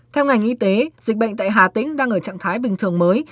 theo ngành y tế dịch bệnh tại hà tĩnh đang ở trạng thái bình thường mới